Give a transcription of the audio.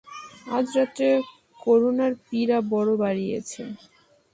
আজ রাত্রে করুণার পীড়া বড়ো বাড়িয়াছে।